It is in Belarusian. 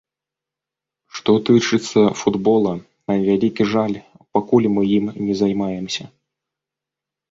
Што тычыцца футбола, на вялікі жаль, пакуль мы ім не займаемся.